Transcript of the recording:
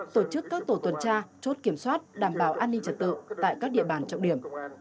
tổ chức các tổ tuần tra chốt kiểm soát đảm bảo an ninh trật tự tại các địa bàn trọng điểm